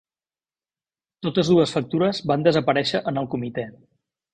Totes dues factures van desaparèixer en el comitè.